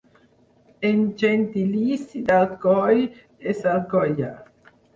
El gentilici d'Alcoi és alcoià.